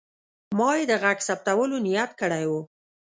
ما یې د غږ ثبتولو نیت کړی و.